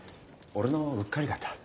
俺のうっかりだった。